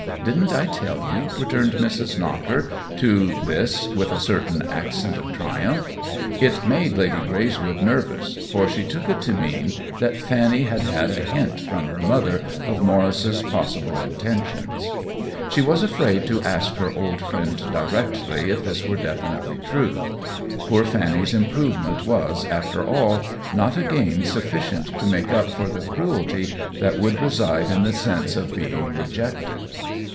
" Didn't I tell you?" returned Mrs. Knocker to this with a certain accent of triumph. It made Lady Greyswood nervous, for she took it to mean that Fanny had had a hint from her mother of Maurice's possible intentions. She was afraid to ask her old friend directly if this were definitely true; poor Fanny's improvement was, after all, not a gain suffi cient to make up for the cruelty that would reside in the sense of being rejected.